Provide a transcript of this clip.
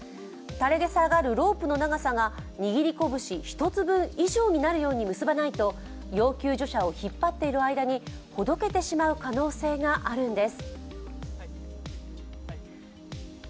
垂れ下がるロープの長さが握り拳１つ分以上になるように結ばないと要救助者を引っ張っている間にほどけてしまう可能性があるんです。